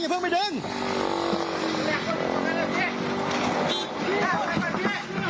ถอยมาถอยมาเร็วเดี๋ยวเดี๋ยวเดี๋ยว